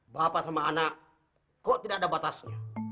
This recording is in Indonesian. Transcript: bapak sama anak kok tidak ada batasnya